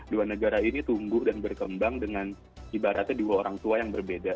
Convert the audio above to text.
dua negara ini tumbuh dan berkembang dengan ibaratnya dua orang tua yang berbeda